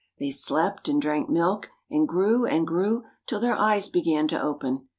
They slept and drank milk, and grew and grew till their eyes began to open.